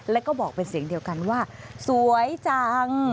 แล้วก็บอกเป็นเสียงเดียวกันว่าสวยจัง